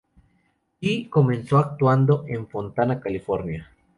Yi comenzó actuando en Fontana, California.